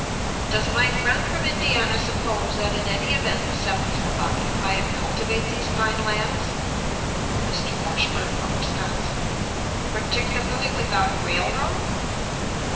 Does my friend from Indiana suppose that in any event settlers will occupy and cultivate these pine lands? "Mr. Washburn, of Wisconsin. Particularly without a railroad?"